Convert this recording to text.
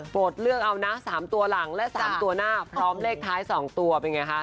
เลือกเอานะ๓ตัวหลังและ๓ตัวหน้าพร้อมเลขท้าย๒ตัวเป็นไงคะ